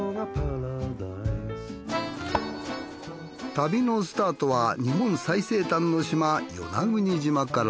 旅のスタートは日本最西端の島与那国島から。